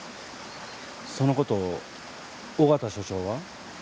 そのこと緒方署長は？